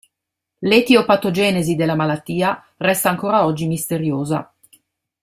L'etiopatogenesi della malattia resta ancora oggi misteriosa.